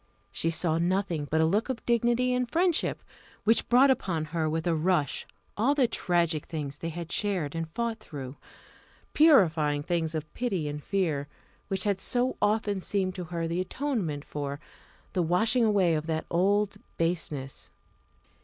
She saw nothing but a look of dignity and friendship, which brought upon her with a rush all those tragic things they had shared and fought through, purifying things of pity and fear, which had so often seemed to her the atonement for, the washing away of that old baseness.